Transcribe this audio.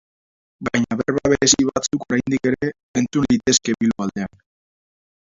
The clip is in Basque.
Baina berba berezi batzuk oraindik ere entzun litezke Bilbo aldean.